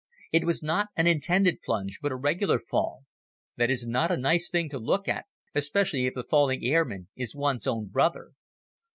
It was not an intended plunge, but a regular fall. That is not a nice thing to look at, especially if the falling airman is one's own brother.